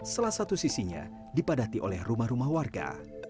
salah satu sisinya dipadati oleh rumah rumah warga